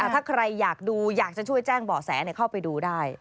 ถ้าใครอยากดูอยากจะช่วยแจ้งเบาะแสเข้าไปดูได้